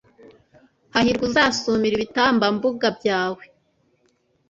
hahirwa uzasumira ibitambambuga byawe